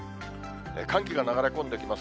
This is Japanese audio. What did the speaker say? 寒気が流れ込んできます。